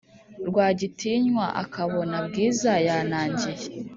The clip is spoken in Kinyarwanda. Rwagitinywa akabona bwiza yanangiye